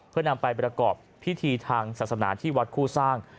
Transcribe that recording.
เพื่อนำไปประกอบพิธีทางศาสนาที่วัดคู่สร้าง